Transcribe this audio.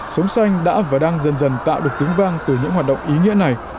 sống xanh đã và đang dần dần tạo được tiếng vang từ những hoạt động ý nghĩa này